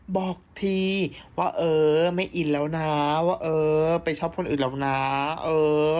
บอกทีว่าเออไม่อินแล้วนะว่าเออไปชอบคนอื่นหรอกนะเออ